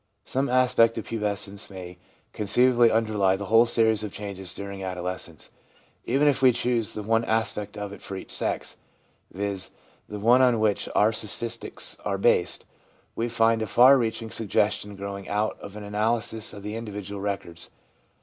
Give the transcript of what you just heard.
Some aspect of pubescence may conceivably underlie the whole series of changes during adolescence. Even if we choose the one aspect of it for each sex, viz., the one on which our statistics are based, we find a far reaching sug gestion growing out of an analysis of the individual records.